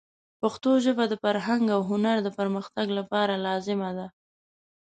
پښتو ژبه د فرهنګ او هنر د پرمختګ لپاره لازمه ده.